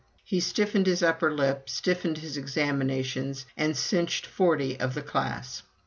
He stiffened his upper lip, stiffened his examinations, and cinched forty of the class.